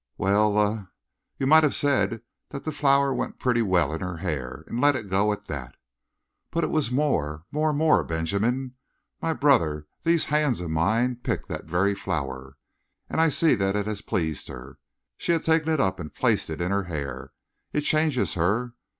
"Well er you might have said that the flower went pretty well in her hair, and let it go at that." "But it was more, more, more! Benjamin, my brother, these hands of mine picked that very flower. And I see that it has pleased her. She had taken it up and placed it in her hair. It changes her.